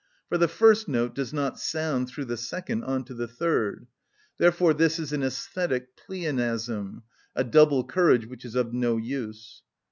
For the first note does not sound through the second on to the third: therefore this is an æsthetic pleonasm, a double courage which is of no use.